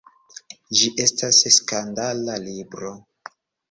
Ĝi estas skandala libro.